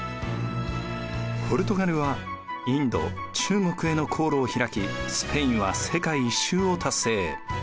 ポルトガルはインド・中国への航路を開きスペインは世界一周を達成。